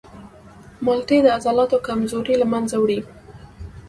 مالټې د عضلاتو کمزوري له منځه وړي.